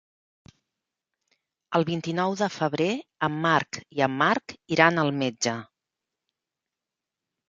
El vint-i-nou de febrer en Marc i en Marc iran al metge.